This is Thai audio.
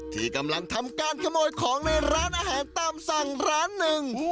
ที่กำลังทำการขโมยของในร้านอาหารตามสั่งร้านหนึ่ง